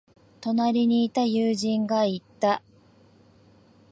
隣にいた友人が言った。